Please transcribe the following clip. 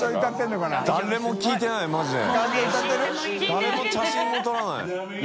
誰も写真も撮らない。